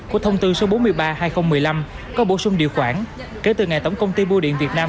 của thông tư số bốn mươi ba hai nghìn một mươi năm có bổ sung điều khoản kể từ ngày tổng công ty bưu điện việt nam